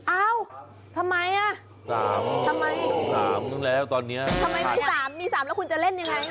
เอ้าทำไมอ่ะ๓ตอนนี้ทำไมมี๓แล้วคุณจะเล่นยังไง